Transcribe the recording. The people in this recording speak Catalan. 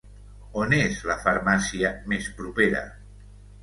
On és la farmàcia més propera?